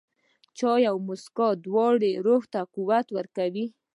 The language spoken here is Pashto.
چای او موسکا، دواړه روح ته قوت ورکوي.